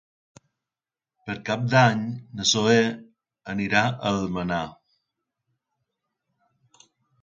Per Cap d'Any na Zoè anirà a Almenar.